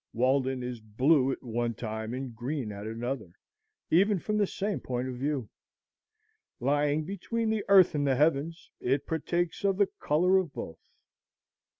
Walden is blue at one time and green at another, even from the same point of view. Lying between the earth and the heavens, it partakes of the color of both.